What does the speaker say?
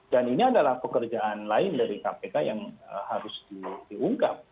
dan ini adalah pekerjaan lain dari kpk yang harus diungkap